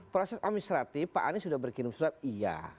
proses administratif pak anies sudah berkirim surat iya